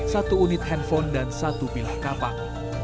satu unit handphone dan satu pilah kapak